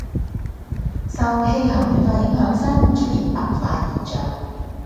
受氣候暖化影響珊瑚出現白化現象